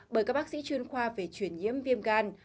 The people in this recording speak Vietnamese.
bởi các bác sĩ chuyên khoa về chuyển nhiễm viêm gan